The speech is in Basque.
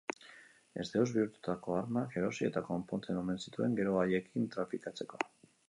Ezdeus bihurtutako armak erosi eta konpontzen omen zituen, gero haiekin trafikatzeko.